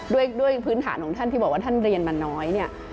ด้วยพื้นฐานของท่านที่บอกว่าท่านเรียนมาน้อยเนี่ย